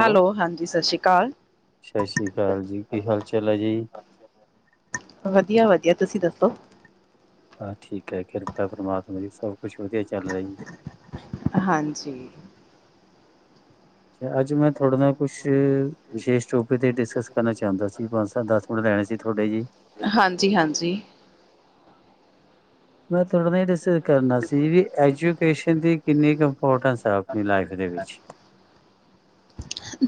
Hello ਹਾਂਜੀ ੀ ਸਤਿ ਸ਼੍ਰੀ ਅਕਾਲ ਸਤਿ ਸ੍ਰੀ ਅਕਾਲ ਜੀ ਕੀ ਹਾਲ ਚਾਲ ਹੈ ਜੀ ਵਧੀਆ ਵਧੀਆ ਤੁਸੀਂ ਦੱਸੋ ਆਹ ਠੀਕ ਹੈ ਕਿਰਪਾ ਪਰਮਾਤਮਾ ਜੀ ਸਭ ਕੁਛ ਵਧੀਆ ਚੱਲ ਰਿਹਾ ਜੀ ਹਾਂਜੀ ਅ ਅੱਜ ਮੈਂ ਤੁਹਾਡੇ ਨਾਲ ਕੁਛ ਵਿਸ਼ੇਸ਼ ਟੋਪਿਕ ਤੇ ਡਿਸਕਸ ਕਰਨਾ ਚਾਹੁੰਦਾ ਸੀ ਪੰਜ ਸ ਦਸ ਮਿੰਟ ਲੈਣੇ ਸੀ ਤੁਹਾਡੇ ਜੀ ਹਾਂਜੀ ਹਾਂਜੀ ਮੈਂ ਥੋੜ੍ਹਾ ਜ ਡਿਸਸ ਕਰਨਾ ਸੀ ਵੀ ਐਜੂਕੇਸ਼ਨ ਦੀ ਕਿੰਨੀ ਕੁ ਇੰਪੋਰਟੈਂਸ ਹੈ ਆਪਣੀ ਲਾਈਫ ਦੇ ਵਿੱਚ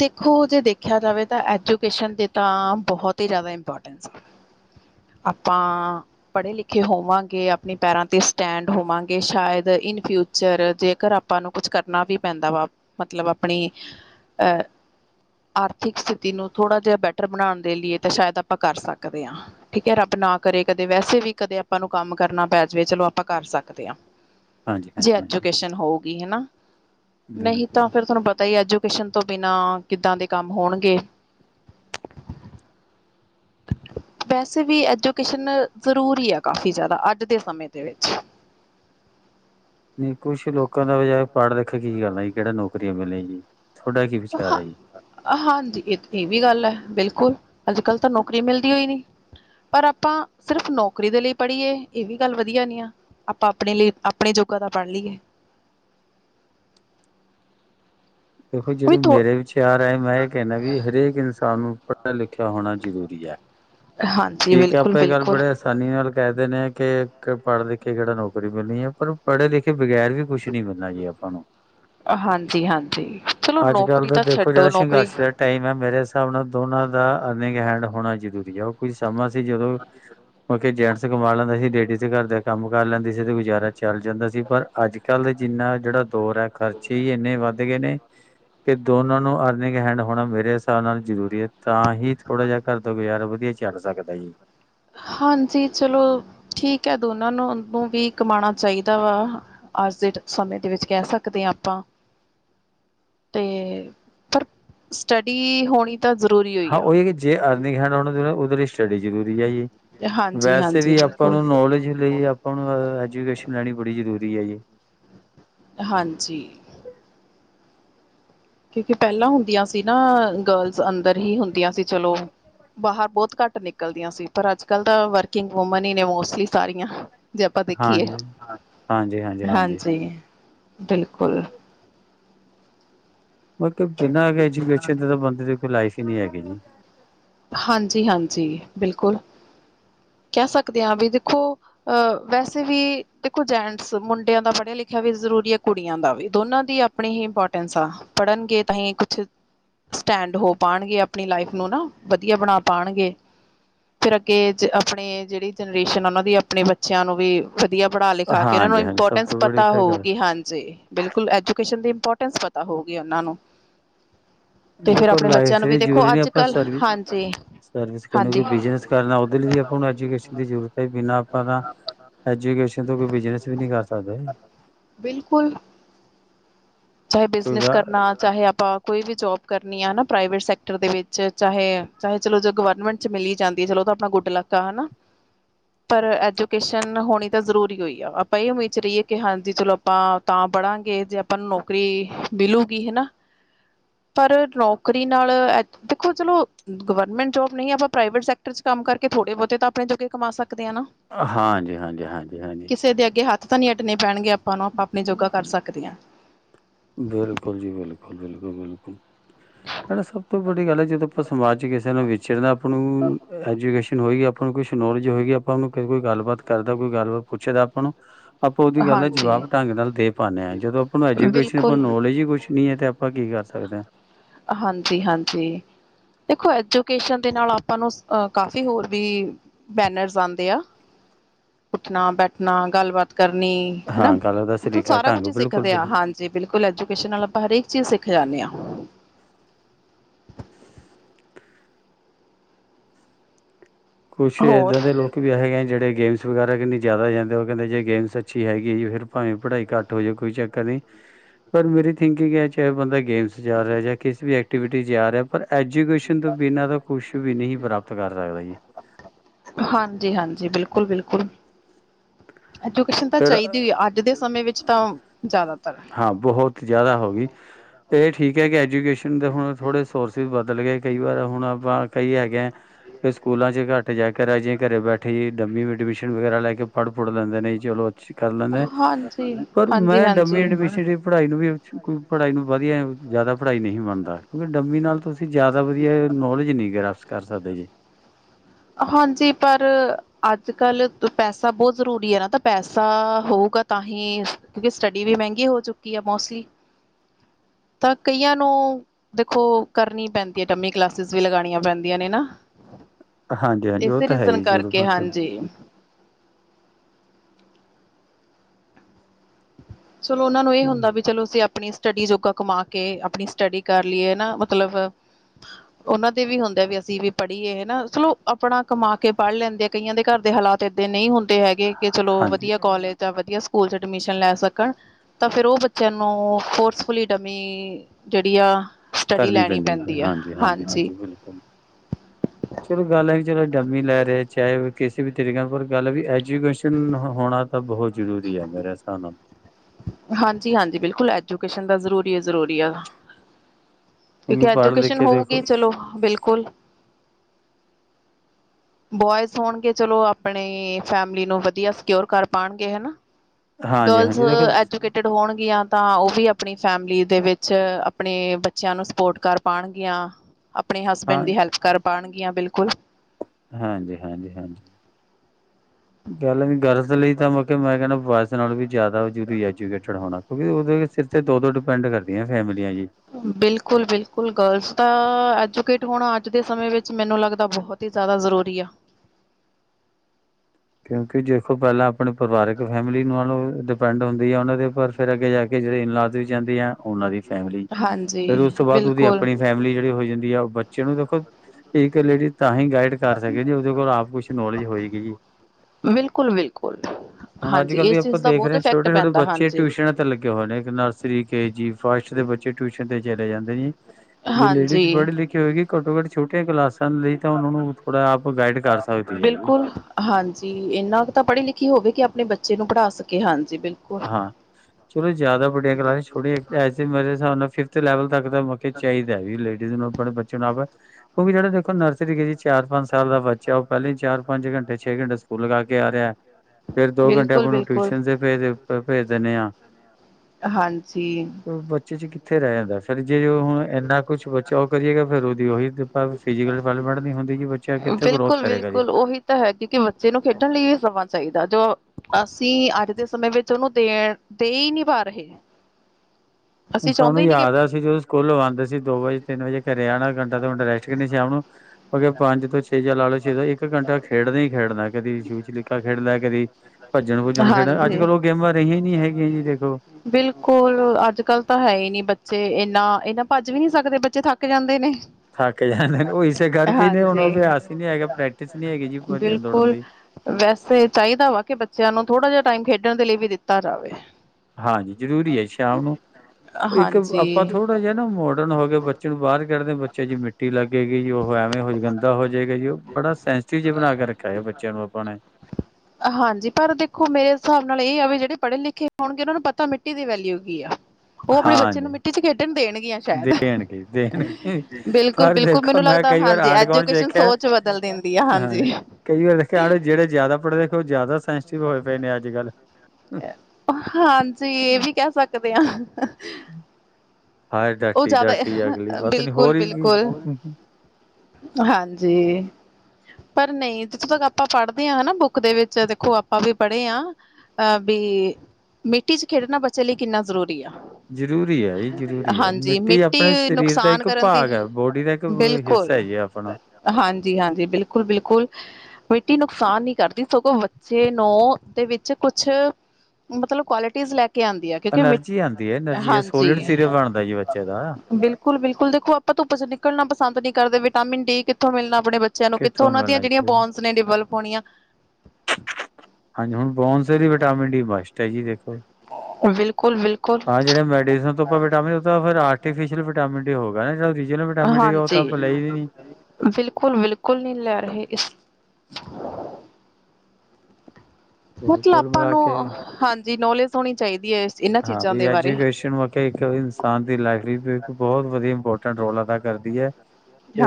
ਦੇਖੋ ਜੇ ਦੇਖਿਆ ਜਾਵੇ ਤਾਂ ਐਜੂਕੇਸ਼ਨ ਦੇ ਤਾਂ ਬਹੁਤ ਹੀ ਜ਼ਿਆਦਾ ਇੰਪੋਰਟੈਂਸ ਆ ਆਪਾਂ ਪੜ੍ਹੇ ਲਿਖੇ ਹੋਵਾਂਗੇ ਆਪਣੇ ਪੈਰਾਂ 'ਤੇ ਸਟੈਂਡ ਹੋਵਾਂਗੇ ਸ਼ਾਇਦ ਇਨ ਫਿਊਚਰ ਜੇਕਰ ਆਪਾਂ ਨੂੰ ਕੁਛ ਕਰਨਾ ਵੀ ਪੈਂਦਾ ਵਾ ਮਤਲਬ ਆਪਣੀ ਅ ਆਰਥਿਕ ਸਥਿਤੀ ਨੂੰ ਥੋੜ੍ਹਾ ਜਿਹਾ ਬੈਟਰ ਬਣਾਉਣ ਦੇ ਲਈਏ ਤਾਂ ਸ਼ਾਇਦ ਆਪਾਂ ਕਰ ਸਕਦੇ ਹਾਂ ਠੀਕ ਹੈ ਰੱਬ ਨਾ ਕਰੇ ਕਦੇ ਵੈਸੇ ਵੀ ਕਦੇ ਆਪਾਂ ਨੂੰ ਕੰਮ ਕਰਨਾ ਪੈ ਜਾਵੇ ਚਲੋ ਆਪਾਂ ਕਰ ਸਕਦੇ ਹਾਂ ਹਾਂਜੀ ਜੇ ਹਾਂਜੀ ਹਾਂਜੀ ਐਜੂਕੇਸ਼ਨ ਹੋਊਗੀ ਹਨਾ ਨਹੀਂ ਬਿਲਕੁਲ ਤਾਂ ਫਿਰ ਤੁਹਾਨੂੰ ਪਤਾ ਹੀ ਐਜੂ ਪਸ਼ਨ ਤੋਂ ਬਿਨਾਂ ਕਿੱਦਾਂ ਦੇ ਕੰਮ ਹੋਣਗੇ ਵੈਸੇ ਵੀ ਐਜੂਕੇਸ਼ਨ ਜ਼ਰੂਰੀ ਹੈ ਕਾਫ਼ੀ ਜ਼ਿਆਦਾ ਅੱਜ ਦੇ ਸਮੇਂ ਦੇ ਵਿੱਚ ਸਹੀ ਗੱਲ ਗੱਲ ਆ ਜੀ ਕਿਹੜਾ ਨੌਕਰੀਆਂ ਮਿਲੇ ਜੀ ਤੁਹਾਡਾ ਕੀ ਵਿਚਾਰ ਹ ਹੈ ਜੀ ਹਾਂਜੀ ਇਹ ਇਹ ਵੀ ਗੱਲ ਹੈ ਬਿਲਕੁਲ ਸਕਲ ਅੱਜ ਕੱਲ੍ਹ ਤਾਂ ਨੌਕਰੀ ਮਿਲਦੀ ਹੋਈ ਨਹੀਂ ਪਰ ਆਪਾਂ ਸਿਰਫ਼ ਨੌਕਰੀ ਦੇ ਲਈ ਪੜ੍ਹੀਏ ਇਹ ਵੀ ਗੱਲ ਵਧੀਆ ਨ ਆ ਆਪਾਂ ਆਪਣੇ ਲਈ ਆਪਣੇ ਯੋਗਾਾਂ ਦਾ ਪੜ੍ਹ ਲਈਏ ਦੇਖੋ ਜਿਹੜੀ ਵੀ ਥੋ ਮੇਰੇ ਵਿਚਾਰ ਹੈਏ ਮੈਂ ਇਹ ਕਹਿੰਦਾ ਵੀ ਹਰੇਕ ਇਨਸਾਨ ਨੂੰ ਪੜ੍ਹਿਆ ਲਿਖਿਆ ਹੋਣਾ ਜ਼ਰੂਰੀ ਹੈ ਹਾਂਜੀ ਠੀਕ ਹੈ ਬਿਲਕੁਲ ਆਪਾਂ ਇਹ ਗੱਲ ਬਿਲਕੁਲ ਬੜੇ ਆਸਾਨੀ ਨਾਲ ਕਹਿ ਦਿੰਦੇ ਹਾਂ ਕਿ ਪੜ੍ਹ ਦੇ ਕਿਹੜਾ ਨੌਕਰੀ ਮਣੀ ਹੈ ਪਰ ਪੜੇ ਲਿਖੇ ਬਗੈਰ ਵੀ ਕੁਛ ਨੀ ਮਿਲਣਾ ਜੀ ਆਪਾਂ ਨੂੰ ਹਾਂਜੀ ਹਾਂਜੀ ਚਲੋ ਅੱਜ ਕੱਲ ਨੌਕਰੀ ਦਾ ਤਾਂ ਦੇਖੋ ਛੱਡੋ ਜਿਹੜਾ ਨੌਕਰੀ ਸੰਘਰਸ਼ ਦਾ ਟਾਈਮ ਹੈ ਮੇਰੇ ਹਿਸਾਬ ਨਾਲ ਦੋਨਾਂ ਦਾ ਅਰਨਿੰਗ ਹੈਂਡ ਹੋਣਾ ਜਰੂਰੀ ਹੈ ਕੁਝ ਸਮਝ ਜਦੋਂ ਉੱਥੇ ਜੈਂਟਸ ਕਮਾ ਲੈਂਦਾ ਸੀ ਡੇਡੀ ਤੇ ਘਰ ਦਾ ਕੰਮ ਕਰ ਲੈਂਦੀ ਸੀ ਤੇ ਗੁਜ਼ਾਰਾ ਚੱਲ ਜਾਂਦਾ ਸੀ ਪਰ ਅੱਜ ਕੱਲ ਦੇ ਜਿੰਨਾ ਜਿਹੜਾ ਦੌਰ ਹੈ ਖਰਚੇ ਹੀ ਇੰਨੇ ਵੱਧ ਗਏ ਨੇ ਕਿ ਦੋਨਾਂ ਨੂੰ ਅਰਨਿੰਗ ਹੈਂਡ ਹੋਣਾ ਮੇਰੇ ਨਾਲ ਜ਼ਰੂਰੀ ਹੈ ਤਾਂ ਹੀ ਥੋੜਾ ਜਿਹਾ ਘਰ ਤੋਂ ਗ ਯਾਰ ਵਧੀਆ ਸਕਦਾ ਜੀ ਹਾਂਜੀ ਚਲੋ ਠੀਕ ਹੈ ਦੋਨਾਂ ਨੂੰ ਵੀ ਕਮਾਉਣਾ ਚਾਹੀਦਾ ਵਾ ਅੱਜ ਦੇ ਸਮੇਂ ਦੇ ਵਿੱਚ ਕਹਿ ਸਕਦੇ ਹਾਂ ਆਪਾਂ ਤੇ ਪਰ ਸਟੱਡੀ ਹੋਣੀ ਤਾਂ ਜ਼ਰੂਰੀ ਹੋਈ ਹਾਂ ਆ। ਹੀ ਹੈ ਕਿ ਜੇ ਅਰਨਿੰਗ ਹੈਡ ਉਦੇ ਲਏ ਸਟੱਡੀ ਜ਼ਰੂਰੀ ਹੈ ਜੀ ਹਾਂਜੀ ਵੈਸੇ ਹਾਂਜੀ ਵੀ ਆਪਾਂ ਬਿਲਕੁਲ। ਨੂੰ ਨੌਲੇਜ ਲਈ ਆਪਾਂ ਨੂੰ ਐਜੂਕੇਸ਼ਨ ਲੈਣੀ ਬੜੀ ਜ਼ਰੂਰੀ ਹੈ ਜੀ [unintelligible] ਹਾਂਜੀ ਕਿਉਂਕਿ ਪਹਿਲਾਂ ਹੁੰਦੀਆਂ ਸੀ ਨਾ ਗਰਲਸ ਅੰਦਰ ਹੀ ਹੁੰਦੀਆਂ ਸੀ ਚਲੋ ਬਾਹਰ ਬਹੁਤ ਘੱਟ ਨਿਕਲਦੀਆਂ ਸੀ ਪਰ ਅੱਜ ਕੱਲ ਤਾਂ ਵਰਕਿੰਗ ਵੂਮਨ ਹੀ ਨੇ ਮੋਸਟਲੀ ਸਾਰੀਆਂ ਜੇ ਆਪਾਂ ਦੇਖੀਏ ਹਾਂਜੀ, ਹਾਂਜੀ ਬਿਲਕੁਲ ਮਤਲਬ ਬਿਨਾਂ ਐਜੂਕੇਸ਼ਨ ਦੇ ਤਾਂ ਬੰਦੇ ਦੀ ਕੋਈ ਲਾਈਫ ਨੀ ਹੈਗੀ ਜੀ ਹਾਂਜੀ ਹਾਂਜੀ ਬਿਲਕੁਲ ਕਹਿ ਸਕਦੇ ਹਾਂ ਵੀ ਦੇਖੋ ਅਹ ਵੈਸੇ ਵੀ ਦੇਖੋ ਜੈਂਟਸ ਮੁੰਡਿਆਂ ਦਾ ਪੜ੍ਹਿਆ ਲਿਖਿਆ ਵੀ ਜ਼ਰੂਰੀ ਹੈ ਕੁੜੀਆਂ ਦਾ ਵੀ ਦੋਨਾਂ ਦੀ ਆਪਣੀ ਹੀ ਇੰਪੋਰਟੈਂਸ ਆ ਪੜ੍ਹਨਗੇ ਤਾਂ ਹੀ ਕੁਛ ਸਟੈਂਡ ਹੋ ਪਾਉਣਗੇ ਆਪਣੀ ਲਾਈਫ ਨੂੰ ਨਾ ਵਧੀਆ ਬਣਾ ਪਾਉਣਗੇ ਫਿਰ ਅੱਗੇ ਆਪਣੇ ਜਿਹੜੀ ਜਨਰੇਸ਼ਨ ਉਹਨਾਂ ਦੀ ਆਪਣੇ ਬੱਚਿਆਂ ਨੂੰ ਵੀ ਵਧੀਆ ਪੜ੍ਹਾ ਲਿਖਾ ਕੇ ਇਹਨਾਂ ਨੂੰ ਹਾਂਜੀ, ਹਾਂਜੀ ਸਭ ਇੰਪੋਰਟੈਂਸ ਤੋਂ ਬੜੀ ਪਤਾ ਤਾਂ ਗੱਲ ਹੋਊਗੀ ਹਾਂਜੀ ਬਿਲਕੁਲ ਐਜੂਕੇਸ਼ਨ ਦੀ ਇੰਪੋਰਟੈਂਸ ਪਤਾ ਹੋਊਗੀ ਉਹਨਾਂ ਨੂੰ ਤੇ ਫਿਰ ਦੇਖੋ ਆਪਣੇ ਬੱਚਿਆਂ ਲਾਈਫ ਨੂੰ ਵੀ ਦੇ ਦੇਖੋ ਜ਼ਰੂਰੀ ਨਹੀਂ ਅੱਜ ਆਪਾਂ ਕੱਲ੍ਹ ਸਰਵਿਸ ਹਾਂਜੀ ਸਰਵਿਸ ਹਾਂਜੀ ਕਰਨਾ ਬਿਜਨੈਸ ਕਰਨਾ ਉਦਾਂ ਲਏ ਵਿ ਅਪਾ ਨੂੰ ਐਜੂਕੇਸ਼ਨ ਦੀ ਜ਼ਰੂਰਤ ਹੈ ਬਿਨਾ ਆਪਾਂ ਐਜੂਕੇਸ਼ਨ ਤੋਂ ਕੋਈ ਬਿਜਨਸ ਵੀ ਨੀ ਕਰ ਸਕਦੇ ਬਿਲਕੁਲ ਚਾਹੇ ਕੋਈ ਬਿਜਨਸ ਕਰਨਾ ਚਾਹੇ ਆਪਾਂ ਕੋਈ ਵੀ ਜੋਬ ਕਰਨੀ ਆ ਹੈ ਨਾ ਪ੍ਰਾਈਵੇਟ ਸੈਕਟਰ ਦੇ ਵਿੱਚ ਚਾਹੇ ਚਾਹੇ ਚਲੋ ਜੋ ਗਵਰਮੈਂਟ 'ਚ ਮਿਲੀ ਜਾਂਦੀ ਹੈ ਚਲੋ ਤਾਂ ਆਪਣਾ ਗੁੱਡ ਲੱਕ ਆ ਹੈ ਨਾ ਪਰ ਐਜੂਕੇਸ਼ਨ ਹੋਣੀ ਤਾਂ ਜ਼ਰੂਰੀ ਹੋਈ ਆ ਆਪਾਂ ਇਹ ਉਮੀਦ 'ਚ ਰਹੀਏ ਕਿ ਹਾਂਜੀ ਚਲੋ ਆਪਾਂ ਤਾਂ ਪੜਾਂਗੇ ਜੇ ਆਪਾਂ ਨੂੰ ਨੌਕਰੀ ਮਿਲੂਗੀ ਹਨਾ ਪਰ ਨੌਕਰੀ ਨਾਲ ਦੇਖੋ ਚਲੋ ਗਵਰਮੈਂਟ ਜੋਬ ਨਹੀਂ ਆਪਾਂ ਪ੍ਰਾਈਵੇਟ ਸੈਕਟਰ ਚ ਕੰਮ ਕਰਕੇ ਥੋੜੇ ਬਹੁਤੇ ਤਾਂ ਆਪਣੇ ਜੋ ਕਮਾ ਸਕ ਹਾਂਜੀ ਹਾਂਜੀ ਹਾਂਜੀ ਹਾਂਜੀ [unintelligible] ਅਟਣੇ ਪੈਣ ਆਪਾਂ ਆਪਾਂ ਨੂੰ ਆਪਾਂ ਆਪਣੀ ਯੋਗਾ ਕਰ ਸਕਦੇ ਹਾਂ ਬਿਲਕੁਲ ਜੀ ਬਿਲਕੁਲ ਬਿਲਕੁਲ ਬਿਲਕੁਲ ਨਾਲੇ ਸਭ ਤੋਂ ਬੜੀ ਗੱਲ ਹੈ ਜਦੋਂ ਸਮਾਜ ਚ ਕਿਸੇ ਨੂੰ ਵਿਛਰਨਾ ਪਾਓ ਐਜੂਕੇਸ਼ਨ ਹੋਏਗੀ ਆਪਾਂ ਨੂੰ ਕੁਛ ਨੌਲੇਜ ਹੋਏਗੀ ਆਪਾਂ ਉਹਨ ਕੋਈ ਗੱਲਬਾਤ ਕਰਦਾ ਕੋਈ ਗੱਲਬਾਤ ਪੁੱਛੇ ਦਾ ਆਪਾਂ ਨੂੰ ਆਪਾਂ ਉਹਦੀ ਗੱਲ ਹਾਂਜੀ। ਜਵਾਬ ਢੰਗ ਨਾਲ ਦੇ ਪਾਉਂਦੇ ਹਾਂ ਜਦੋਂ ਆਪਾਂ ਨੂੰ ਐਜੂਕੇਸ਼ਨ ਆਪਾਂ ਬਿਲਕੁਲ। ਨੌਲੇਜ ਹੀ ਕੁਛ ਨੀ ਹੈ ਤੇ ਆਪਾਂ ਕੀ ਕਰ ਸਕਦੇ ਹਾਂ ਹਾਂਜੀ-ਹਾਂਜੀ, ਦੇਖੋ ਐਜੂਕੇਸ਼ਨ ਦੇ ਨਾਲ ਆਪਾਂ ਨੂੰ ਕਾਫ਼ੀ ਹੋਰ ਵੀ ਮਨਰਜ਼ ਆਉਂਦੇ ਆ ਉੱਠਣਾ ਬੈਠਣਾ ਗੱਲਬਾਤ ਕਰਨੀ ਹਨਾ ਹਾਂ, ਗੱਲ ਦਾ ਮਲਬ ਸਲੀਕਾ ਸਾਰਾ ਢੰਗ ਕੁਝ ਬਿਲਕੁਲ, ਸਿੱਖਦੇ ਆ ਬਿਲਕੁਲ। ਹਾਂਜੀ ਬਿਲਕੁਲ ਐਜੂਕੇਸ਼ਨ ਨਾਲ ਆਪਾਂ ਹਰੇਕ ਚੀਜ਼ ਸਿੱਖ ਹਾਂ [unintelligible] ਕੁਛ ਹੋਰ, ਇੱਦਾਂ ਦੇ ਲੋਕ ਵੀ ਹੈਗੇ ਹੈ ਜਿਹੜੇ ਗੇਮਸ ਵਗੈਰਾ ਕਿੰ ਜ਼ਿਆਦਾ ਜਾਂਦੇ ਉਹ ਕਹਿੰਦੇ ਜੇ ਗੇਮਸ ਅੱਛੀ ਹੈਗੀ ਜੀ ਫਿਰ ਭਾਵੇਂ ਪੜ੍ਹਾਈ ਘੱਟ ਹੋ ਜਾਵੇ ਕੋਈ ਚੱਕਰ ਨਹੀਂ ਪਰ ਮੇਰੀ ਥਿੰਕਿੰਗ ਇਹ ਚਾਹੇ ਬੰਦਾ ਗੇਮਸ ਜਾ ਰਿਹਾ ਜਾਂ ਕਿਸੇ ਵੀ ਐਕਟੀਵਿਟੀ ਜਾ ਰਿਹਾ ਪਰ ਐਜੂਕੇਸ਼ਨ ਤੋਂ ਬਿਨਾਂ ਤਾਂ ਕੁਛ ਵੀ ਨਹੀਂ ਪ੍ਰਾਪਤ ਕਰ ਸਕਦਾ ਜੀ। ਹਾਂਜੀ-ਹਾਂਜੀ ਬਿਲਕੁਲ-ਬਿਲਕੁਲ, ਐਜੂਕੇਸ਼ਨ ਤਾਂ ਫਿਰ ਚਾਹੀਦੀ ਈ ਐ ਅੱਜ ਦੇ ਸਮੇਂ ਵਿੱਚ ਤਾਂ ਜ਼ਿਆਦਾਤਰ। ਹਾਂ ਬਹੁਤ ਜ਼ਿਆਦਾ ਹੋ ਗਈ ਇਹ ਠੀਕ ਹੈ ਕਿ ਐਜੂਕੇਸ਼ਨ ਦੇ ਹੁਣ ਥੋੜ੍ਹੇ ਸੋਰਸਿਸ ਬਦਲ ਗਏ ਕਈ ਵਾਰ ਹੁਣ ਆਪਾਂ ਕਈ ਹੈਗੇ ਹਾਂ। ਫ ਸਕੂਲਾਂ ਚ ਘੱਟ ਅਤੇ ਜਾ ਕੇਰ ਅਜੇ ਘਰੇ ਬੈਠੇ ਜੀ ਡੰਮੀ ਐਡਮਿਸ਼ਨ ਵਗੈਰਾ ਲੈ ਕੇ ਪੜ੍ਹ ਪੁੜ ਲੈਂਦੇ ਨੇ ਜ ਚਲੋ ਅ ਕਰ ਲੈਂਦੇ, ਹਾਂਜੀ, ਪਰ ਹਾਂਜੀ, ਮੈਂ ਡਮੀ ਹਾਂਜੀ। ਐਡਮਿਸ਼ਨ ਦੀ ਪੜ੍ਹਾਈ ਨੂੰ ਵੀ ਕੋਈ ਪੜ੍ਹਾਈ ਨੂੰ ਵਧੀਆ ਜ਼ਿਆਦਾ ਪੜ੍ਹਾਈ ਨਹੀਂ ਮੰਨਦਾ ਕਿਉਂਕਿ ਡੰਮੀ ਨਾਲ ਤੁਸੀਂ ਜ਼ਿਆਦਾ ਵਧੀਆ ਨੌਲੇਜ ਨਹੀਂ ਕਰਾ ਸਕਦੇ। ਕਰ ਸਕਦੇ ਜੀ। ਹਾਂਜੀ ਪਰ ਅੱਜ ਕੱਲ ਪੈਸਾ ਬਹੁਤ ਜ਼ਰੂਰੀ ਹੈ ਨਾ ਤਾਂ ਪੈਸਾ ਹੋਊਗਾ ਤਾਂ ਹੀ ਕਿਉਂਕਿ ਸਟੱਡੀ ਵੀ ਮਹਿੰਗੀ ਹੋ ਚੁੱਕੀ ਆ ਮੋਸਟਲੀ ਤਾਂ ਕਈਆਂ ਨੂੰ ਦੇਖੋ ਕਰਨੀ ਪੈਂਦੀ ਹੈ ਡਮੀ ਕਲਾਸਿਸ ਵੀ ਲਗਾਣੀਆਂ ਪੈਂਦੀਆਂ ਨੇ ਨਾ, ਹਾਂਜੀ ਹਾਂਜੀ ਉਹ ਇਸੇ ਤਾਂ ਹੈ ਰੀਜ਼ਨ ਹੀ ਚਲੋ ਕਰਕੇ ਮੈਂ ਹਾਂਜੀ [unintelligible] ਚਲੋ ਉਹਨਾਂ ਨੂੰ ਇਹ ਤੁਹਾਨੂੰ ਹੁੰਦਾ ਵੀ ਚਲੋ ਅਸੀਂ ਆਪਣੀ ਸਟੱਡੀ ਜੋਗਾ ਕਮਾ ਕੇ ਆਪਣੀ ਸਟੱਡੀ ਕਰ ਲਈਏ ਮਤਲਬ ਉਹਨਾਂ ਦੇ ਵੀ ਹੁੰਦੇ ਵੀ ਅਸੀਂ ਵੀ ਪੜ੍ਹੀਏ ਹਨਾ ਚਲੋ ਆਪਣਾ ਕਮਾ ਕੇ ਪੜ੍ਹ ਲੈਂਦੇ ਆ ਕਈਆਂ ਦੇ ਘਰ ਦੇ ਹਾਲਾਤ ਏਦ ਨਹੀਂ ਹੁੰਦੇ। ਹੈਗੇ ਕਿ ਚਲੋ ਹਾਂਜੀ ਵਧੀਆ ਕਾਲਜ ਆ ਵਧੀਆ ਸਕੂਲ ਐਡਮਿਸ਼ਨ, ਲੈ ਸਕਣ ਤਾਂ ਫਿਰ ਉਹ ਬੱਚਿਆਂ ਨੂੰ ਫੋਰਸਫੁਲੀ ਡਮੀ ਜਿਹੜੀ ਆ। ਸਟੱਡੀ ਕਰਨੀ ਲੈਣੀ ਪੈਂਦੀ ਆ ਹਾਂਜੀ ਹਾਂਜੀ-ਹਾਂਜੀ-ਹਾਂਜੀ, ਬਿਲਕੁਲ ਚਲੋ ਗੱਲ ਹੈ ਕਿ ਚਲੋ ਡਮੀ ਲੈ ਰਹੇ ਚਾਹੇ ਕਿਸੇ ਤਰਾ ਫਿਰ ਗੱਲ ਵੀ ਐਜੂਕੇਸ਼ਨ ਹੋਣਾ ਤਾਂ ਬਹੁਤ ਜ਼ਰੂਰੀ ਹੈ ਮੇਰੇ ਹਿਸਾਬ ਨਾਲ ਹਾਂਜੀ-ਹਾਂਜੀ, ਬਿਲਕੁਲ ਐਜੂਕੇਸ਼ਨ ਦਾ ਜ਼ਰੂਰੀ ਹੈ ਜ਼ਰੂਰੀ ਹੈ। ਕਿਉਂਕਿ ਪੜ੍ਹ ਲਿਖ ਐਜੂਕੇਸ਼ਨ ਕੇ ਦੇਖੋ ਹੋਊਗੀ ਚਲੋ ਬਿਲਕੁਲ ਬੋਇਜ਼ ਹੋਣਗੇ ਚਲੋ ਆਪਣੀ ਫੈਮਲੀ ਨੂੰ ਵਧੀਆ ਸਕਿਓਰ ਕਰ ਪਾਣਗੇ ਹਨਾ। ਹਾਂਜੀ ਗਰਲਸ ਹਾਂਜੀ ਦੇਖੋ ਐਜੂਕੇਟਿਡ ਹੋਣਗੀਆਂ। ਤਾਂ ਉਹ ਵੀ ਆਪਣੀ ਫੈਮਿਲੀ ਦੇ ਵਿੱਚ ਆਪਣੇ ਬੱਚਿਆਂ ਨੂੰ ਸਪੋਰਟ ਕਰ ਪਾਣਗੀਆਂ। ਆਪਣੇ ਹਾਂ ਹਸਬੈਂਡ ਦੀ ਹੈਲਪ ਕਰ ਪਾਣਗੀਆਂ ਬਿਲਕੁਲ। ਹਾਂਜੀ-ਹਾਂਜੀ, ਹਾਂਜੀ। ਗਰਲਸ ਵੀ ਗਰਲਸ ਲਈ ਤਾਂ ਮੈਂ ਕਿਹਾ ਮੈਂ ਕਹਿਨਾ ਬੋਇਸ ਨਾਲ ਵੀ ਜ਼ਿਆਦਾ [unintelligible] ਜਿਵੇਂ ਚੜਾਉਣਾ ਪਵੇ ਉਹਦੇ ਸਿਰ ਤੇ ਦੋ ਦੋ ਡਿਪੈਂਡ ਕਰਦੀ ਹੈ ਫੈਮਿਲੀ ਬਿਲਕੁਲ-ਬਿਲਕੁਲ ਗਰਲਸ ਤਾਂ ਐਜੂਕੇਟ ਹੋਣਾ ਅੱਜ ਦੇ ਸਮੇਂ ਵਿੱਚ ਮੈਨੂੰ ਲੱਗਦਾ ਬਹੁਤ ਹੀ ਜ਼ਿਆਦਾ ਜ਼ਰੂਰੀ ਆ। ਕਿਉਂਕਿ ਦੇਖੋ ਪਹਿਲਾਂ ਆਪਣੇ ਪਰਿਵਾਰਕ ਫੈਮਿਲੀ ਨਾਲੋਂ ਡਿਪੈਂਡ ਹੁੰਦੀਆਂ ਨੇ। ਪਰ ਫਿਰ ਅੱਗੇ ਜਾ ਕੇ ਜਿਹੜੇ ਇਨਲਾਦ ਵੀ ਜਾਂਦੀਆ ਉਹਨਾਂ ਦੀ ਫੈਮਿਲੀ ਹਾਂਜੀ ਫੇਰ ਉਸ ਤੋਂ ਬਾਅਦ ਉਹਦੀ ਬਿਲਕੁਲ ਆਪਣੀ ਫੈਮਿਲੀ ਜਿਹੜੀ ਹੋਈ ਜਾਂਦੀ ਆ ਦੇ ਉਹ ਬ [unintelligible] ਵਿੱਚ ਦੇਖੋ ਕੀ ਇਕ ਲੇਡ ਤਾਂ ਹੀ ਗਾਈਡ ਕਰ ਸਕੇ ਜੀ ਉਹਦੇ ਕੋਲ ਆਪ ਜੀ ਕੁਛ ਨੌਲੇਜ ਹੋਏਗੀ ਜੀ। ਨੂੰ ਬਿਲਕੁਲ ਬਿਲਕੁਲ ਹੁਣ ਅੱਜ ਹਾਂਜੀ ਕੱਲ੍ਹ ਦੀ ਇਸ ਆਪਾਂ ਚੀਜ਼ ਦਾ ਦੇਖ ਰਹੇ ਬਹੁਤ ਹਾਂ ਇਫੈਕਟ ਛੋਟੇ-ਛੋਟੇ ਪੈਂਦਾ ਬੱਚੇ ਹਾਂਜੀ ਟਿਊਸ਼ਨਾਂ ਤੇ ਲੱਗੇ ਹੋਏ ਨੇ ਨਰਸਿ ਕੇ ਜੀ ਫਸਟ ਦੇ ਬੱਚੇ ਟਿਊਸ਼ਨ ਤੇ ਚਲੇ ਜਾਂਦੇ ਨੇ। ਜੇ ਲੇਡੀਜ਼ ਹਾਂਜੀ ਪੜ੍ਹੀ ਲਿਖੀ ਹੋਏਗੀ ਘੱਟੋ-ਘੱਟ ਛੋਟੀਆਂ ਕਲਾਸਾਂ ਲਈ ਤਾਂ ਉਹਨਾਂ ਨੂੰ ਥੋੜ੍ਹਾ ਆਪ ਗਾਈਡ ਕਰ ਸਕਦੀ ਆ ਜੀ। ਜੀ ਇੰਨਾ ਕੁ ਤਾਂ ਪੜ੍ਹੀ ਲਿਖੀ ਹੋਵੇ ਕਿ ਆਪਣੇ ਬੱਚੇ ਨੂੰ ਪੜ੍ਹਾ ਸਕੇ ਹਾਂ ਹਾਂ ਚਲੋ ਜਿਆਦਾ ਵੱਡੀਆਂ ਕਲਾਸ ਛੋੜੀਆਂ ਐਸੇ ਮੇਰੇ ਹਿਸਾਬ ਨਾਲ ਫਿ ਲੈਵਲ ਤੱਕ ਤਾਂ ਮੈਂ ਕਿਹਾ ਚਾਹੀਦਾ ਵੀ ਲੇ ਡੀ ਨੂੰ ਆਪਣੇ ਬੱਚੇ ਨੂੰ ਆਪ ਉਹ ਵੀ ਜਿਹੜਾ ਦੇਖੋ ਨਰਸਰੀ ਗਏ ਸੀ ਚਾਰ ਪੰਜ ਸ ਸਾਲ ਦਾ ਬੱਚਾ ਉਹ ਪਹਿਲਾਂ ਹੀ ਚਾਰ ਪੰਜ ਘੰਟੇ ਛੇ ਘੰਟੇ ਸਕੂਲ ਲਗਾ ਕੇ ਆ ਰਿਹਾ। ਫੇਰ ਦੋ ਘੰਟੇ ਬਿਲਕੁਲ ਆਪਾਂ ਨੂੰ ਬਿਲਕੁਲ ਟਿਊਸ਼ਨ ਤੇ ਭੇਜ ਫੇਰ ਭੇਜ ਦੇਣੇ ਹਾਂ। ਹਾਂਜੀ। ਉੱਥੇ ਰਹਿ ਜਾਂਦਾ ਫਿਰ ਜੇ ਜੋ ਹੁਣ ਇੰਨਾ ਕੁਛ ਬੱਚਾ ਉਹ ਕਰੀਏ ਫਿਰ ਉ ਉਹੀ ਫਿਜ਼ਕਲ ਡਿਵੈਲਪਮੈਂਟ ਨਹੀਂ ਹੁੰਦੀ ਕਿ ਬੱਚਾ ਕਿੱਥੇ ਗਰੋਥ ਕਰੇਗਾ ਜੀ ਬਿਲਕੁਲ-ਬਿਲਕੁਲ ਉਹੀ ਤਾਂ ਹੈਗੀ ਕਿ ਬੱਚੇ ਨੂੰ ਖੇਡਣ ਲਈ ਵੀ ਸੰਬ ਚਾਹੀਦਾ ਜੋ ਅਸੀਂ ਅੱਜ ਦੇ ਸਮੇਂ ਵਿੱਚ ਉਹਨੂੰ ਦੇਣ ਦੇ ਹੀ ਨਹੀਂ ਪਾ ਰਹੇ। ਅਸੀਂ ਸਾਨੂੰ ਚਾਹੁੰਦੇ ਹੀ ਨਹੀਂ ਯਾਦ ਆ ਅਸੀਂ ਕਿ ਜਦੋਂ ਸਕੂਲ ਆਂਦੇ ਸੀ ਦੋ ਵਜੇ ਤਿੰਨ ਵਜੇ ਘਰੇ ਆਣਾ ਮੁੰਡਾ ਰੈਸਟ ਕਰਨੀ ਸ਼ਾਮ ਨੂੰ ਪੰਜ ਤੋਂ ਛੇ ਜਾਂ ਲਾ ਲਓ ਛੇ ਤੋਂ ਇੱਕ ਘੰਟਾ ਖੇਡਦਾ ਹੀ ਖੇਡਦਾ ਕਦੀ ਸ਼ੂ ਛੜੀਕਾ ਖੇਡ ਲਿਆ ਕਦੀ ਭੱਜਣ ਭੁੱਜਣ ਖੇਡਣ ਅੱਜ ਹਾਂਜੀ। ਕੱਲ ਉਹ ਗੇਮਾਂ ਰਹੀਆਂ ਨੀ ਹੈਗੀਆਂ ਜੀ ਦੇਖੋ ਬਿਲਕੁਲ ਅੱਜ ਕੱਲ੍ਹ ਤਾਂ ਹੈ ਹੀ ਨੀ ਬੱਚੇ ਇੰਨਾ ਇਨ੍ਹਾਂ ਭੱਜ ਵੀ ਨਹੀਂ ਸਕਦੇ ਬੱਚੇ ਥੱਕ ਜਾਂਦੇ ਨੇ ਥੱਕ ਜਾਂਦੇ ਨੇ ਉਹ ਇਸੇ ਕਰਕੇ ਨੇ ਹੁਣ ਹਾਂਜੀ। ਅਭਿਆਸ ਹੀ ਨਹੀਂ ਹੈਗਾ ਪ੍ਰੈਕਟਿਸ ਨੀ ਹੈਗੀ ਜੀ ਭੱਜਣ ਦੌੜਨ ਬਿਲਕੁਲ ਦੀ ਵੈਸੇ ਚਾਹੀਦਾ ਵਾ ਕਿ ਬੱਚਿਆਂ ਨੂੰ ਥੋੜਾ ਜਿਹਾ ਟਾਈਮ ਖੇਡਣ ਦੇ ਲਈ ਵੀ ਦਿੱਤਾ ਜਾਵੇ। ਹਾਂਜੀ ਜ਼ਰੂਰੀ ਹੈ ਸ਼ਾਮ ਨੂੰ ਇੱਕ ਆਪਾਂ ਹਾਂਜੀ। ਥੋੜਾ ਜਿਹਾ ਨਾ ਮੋਡਰਨ ਹੋ ਕੇ ਬੱਚੇ ਨੂੰ ਬਾਹਰ ਕਢਦੇ ਬੱਚੇ ਜੇ ਮਿੱਟੀ ਲੱਗੇਗੀ। ਉਹ ਐਵੇਂ ਹੋ ਗੰਦਾ ਹੋ ਜਾਏਗਾ ਜੀ ਉਹ ਬੜਾ ਸੈਂਸਟਿਵ ਜਿਹਾ ਬਣਾ ਕੇ ਰੱਖਿਆ ਬੱਚਿਆਂ ਨੂੰ ਆਪਾਂ ਨੇ ਹਾਂਜੀ ਪਰ ਦੇਖੋ ਮੇਰੇ ਹਿਸਾਬ ਨਾਲ ਇਹ ਆ ਵੀ ਜਿਹੜੇ ਪੜ੍ਹੇ ਲਿਖੇ ਹੋਣਗੇ ਉਹ ਨੂੰ ਪਤਾ ਮਿੱਟੀ ਦੀ ਵੈਲਿਊ ਕੀ ਆ। ਉਹ ਆਪਣੇ ਬੱਚੇ ਨੂੰ ਹਾਂਜੀ ਮਿੱਟੀ ਚ ਖੇਡਣ ਦੇਣਗੇ। ਦੇਣਗੇ ਦੇਣਗੇ ਬਿਲਕੁਲ ਪਰ ਬਿਲਕੁਲ ਦੇਖੋ ਮੈਨੂੰ ਮੈਂ ਲੱਗਦਾ ਕਈ ਵਾਰ ਹਾਂਜੀ ਆਰਡ ਗੁਆਂਢ ਚ ਐਜੂਕੇਸ਼ਨ ਦੇਖਿਆ ਸੋਚ ਬਦਲ ਦਿੰਦੀ ਆ ਹਾਂ ਹਾਂਜੀ। ਕਈ ਵਾਰ ਦੇਖਿਆ ਜਿਹੜੇ ਜ਼ਿਆਦਾ ਪੜ੍ਹੇ ਲਿਖੇ ਉਹ ਜ਼ਿਆਦਾ ਸੈਂਸਟਿਵ ਹੋਏ ਪਏ ਨੇ ਅੱਜ ਕੱਲ੍ਹ ਹਾਂਜੀ ਇਹ ਵੀ ਕਹਿ ਸਕਦੇ ਹਾਂ। ਹਾਏ ਉਹ ਡਾਟੀ ਜ਼ਿਆਦਾ ਡਾਟੀ ਅਗਲੀ ਪਤਾ ਨੀ ਬਿਲਕੁਲ ਹੋਰ ਹੀ ਬਿਲਕੁਲ ਹਾਂਜੀ। ਪਰ ਨਹੀਂ ਜਿੱਥੋਂ ਤੱਕ ਆਪਾਂ ਪੜ੍ਹਦੇ ਹਾਂ ਹਨਾ ਬੁੱਕ ਦੇ ਵਿੱਚ ਦੇਖੋ ਆਪਾਂ ਵੀ ਪੜ੍ਹੇ ਹਾਂ ਅਹ ਵੀ ਮਿੱਟੀ ਚ ਖੇਡਣਾ ਬੱਚੇ ਲਈ ਕਿੰਨਾ ਜ਼ਰੂਰੀ। ਆ ਜ਼ਰੂਰੀ ਹੈ ਜੀ ਜ਼ਰੂਰੀ ਹੈ। ਹਾਂਜੀ ਆਪਣੇ ਮਿੱਟੀ ਸਰੀਰ ਦਾ ਨੁਕਸਾਨ ਇੱਕ ਕਰਨ ਦੀ ਭਾਗ ਹੈ ਬੋਡੀ ਦਾ ਇੱਕ ਹਿੱਸਾ ਬਿਲਕੁਲ ਹੈ ਜੀ ਆਪਣਾ ਹਾਂਜੀ ਹਾਂਜੀ ਬਿਲਕੁਲ ਬਿਲਕੁਲ। ਮਿੱਟੀ ਨੁਕਸਾਨ ਨੀ ਕਰਦੀ ਸਗੋਂ ਬੱਚੇ ਨੂੰ ਦੇ ਵਿੱਚ ਕੁਛ ਮਤਲਬ ਕੁਆਲਿਟੀਜ਼ ਲੈ ਕੇ ਆਉਂਦੀ ਆ ਕਿਉਂਕਿ ਮਿ ਐਨਰਜੀ ਆਦੀ ਹੈ ਐਨਰਜੀ ਹੈ ਹਾਂਜੀ ਸੋਲਿਡ ਸਿਰਪ ਬਣਦਾ ਜੀ ਬੱਚੇ ਦਾ ਬਿਲਕੁਲ ਬਿਲਕੁਲ ਦੇਖੋ ਆਪਾਂ ਧੁੱਪ ਚ ਨਿਕਲਣਾ ਪਸੰਦ ਨਹੀਂ ਕਰਦੇ ਵਿਟਾਮਿਨ ਡੀ ਕਿੱਥੋਂ ਮਿਲਣਾ। ਆਪਣੇ ਬੱਚਿਆਂ ਨੂੰ ਕਿੱਥੋਂ ਉਹਨਾਂ ਦੀਆਂ ਮਿਲਣਾ ਜਿਹੜੀਆਂ ਜੀ ਬੋਨਜ ਨੇ ਡਵੈਲਪ ਪਾਉਣੀਆ। ਹਾਂਜੀ ਹੁਣ ਬੋਨ ਸਰੀ ਵਿਟਾਮਿਨ ਡੀ ਮਸਟ ਹੈ ਜੀ ਦੇਖੋ ਬਿਲਕੁਲ ਬਿਲਕੁਲ। ਆਰਟੀਫਿਸ਼ਅਲ ਵਿਟਾਮਨ ਡੀ ਹੋ ਗਿਆ। [unintelligible] ਹਾਂਜੀ ਬਿਲਕੁਲ ਬਿਲਕੁਲ ਨੀ ਲੈ ਰਹੇ। ਮਤਲਬ ਸ਼ੁਰਕਲ ਆਪਾਂ ਮਿਲਾ ਨੂੰ ਕੇ ਹਾਂਜੀ ਨੌਲੇਜ ਹੋਣੀ ਚਾਹੀਦੀ ਹੈ ਇਹਨਾਂ ਹਾਂ ਚੀਜ਼ਾਂ ਵੀ ਦੇ ਬਾਰੇ ਐਜੂਕੇਸ਼ਨ ਵ ਇੱਕ ਇਨਸਾਨ ਦੀ ਲਾਈਫ ਵੀ ਇੱਕ ਬਹੁਤ ਵਧੀਆ ਇੰਪੋਰਟੈਂਟ ਰੋਲ ਅਦਾ ਕਰਦੀ ਹੈ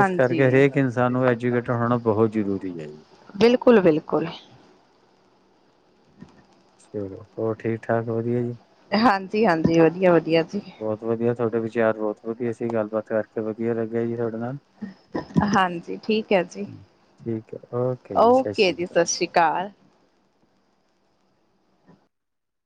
ਇਸ ਕਰਕੇ ਹਰੇਕ ਇਨਸਾਨ ਨੂੰ ਐਜੂਕੇਟਡ ਹੋਣਾ ਬਹੁਤ ਜ਼ਰੂਰੀ ਹੈ ਜੀ। ਬਿਲਕੁਲ ਬਿਲਕੁਲ [unintelligible] ਚਲੋ ਹੋਰ ਠੀਕ ਠਾਕ ਵਧੀਆ ਜੀ। ਹਾਂਜੀ ਹਾਂਜੀ ਵਧੀਆ ਵਧੀਆ ਜੀ। ਬਹੁਤ ਵਧੀਆ ਤੁਹਾਡੇ ਬਹੁਤ ਵਧੀਆ ਸੀ ਗੱਲਬਾਤ ਕਰਕੇ ਵਧੀਆ ਲੱਗਿਆ ਜੀ ਤੁਹਾਡਾ ਹਾਂਜੀ ਠੀਕ ਹੈ ਜੀ ਠੀਕ ਹੈ ਜੀ ਸਤਿ ਓਕੇ ਸ਼੍ਰੀ ਅਕਾਲ। ਜੀ ਸਤਿ ਸ੍ਰੀ ਅਕਾਲ।